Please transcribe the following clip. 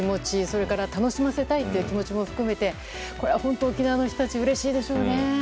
それから楽しませたいという気持ちも含めこれは本当、沖縄の人たちうれしいでしょうね。